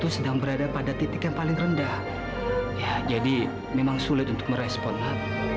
sampai jumpa di video selanjutnya